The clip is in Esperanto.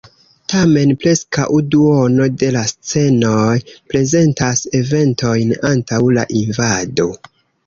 Tamen preskaŭ duono de la scenoj prezentas eventojn antaŭ la invado.